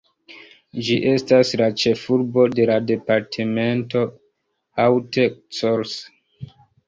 Ĝi estas la ĉefurbo de la departemento Haute-Corse.